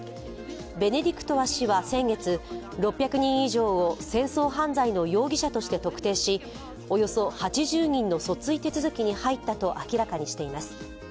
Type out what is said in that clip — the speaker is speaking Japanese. ベネディクトワ氏は先月、６００人以上を戦争犯罪の容疑者として特定しおよそ８０人の訴追手続きに入ったと明らかにしています。